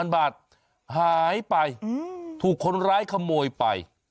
๐บาทหายไปถูกคนร้ายขโมยไป